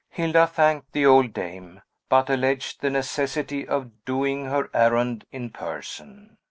Hilda thanked the old dame, but alleged the necessity of doing her errand in person.